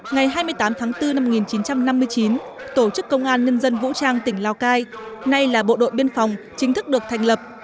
ngày hai mươi tám tháng bốn năm một nghìn chín trăm năm mươi chín tổ chức công an nhân dân vũ trang tỉnh lào cai nay là bộ đội biên phòng chính thức được thành lập